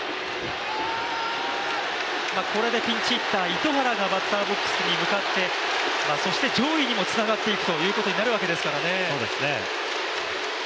これでピンチヒッター・糸原がバッターボックスに向かってそして上位にもつながっていくということになるわけですからね。